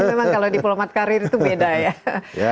memang kalau diplomat karir itu beda ya